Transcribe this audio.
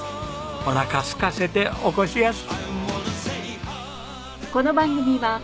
おなかすかせておこしやす！